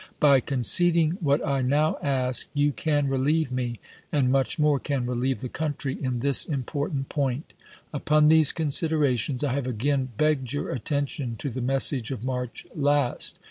By conceding what I now ask, you can relieve me, and much more can relieve the country, in this important point. Upon these considerations I have again begged your attention to the message of March last.